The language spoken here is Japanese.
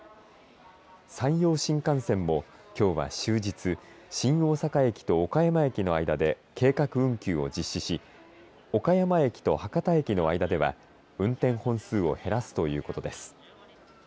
山陽新幹線もきょうは終日新大阪駅と岡山駅の間で計画運休を実施し岡山駅と博多駅の間では運転本数を減らすということです。